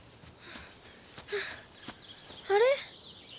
あれ？